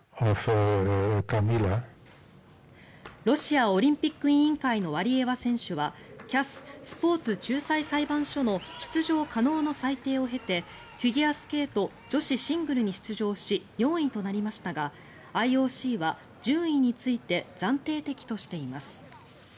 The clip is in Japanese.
ロシアオリンピック委員会のワリエワ選手はＣＡＳ・スポーツ仲裁裁判所の出場可能の裁定を経てフィギュアスケート女子シングルに出場し４位となりましたがＩＯＣは順位について暫定的としています。